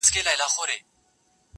ما دي د میني سوداګر له کوڅې وشړله.!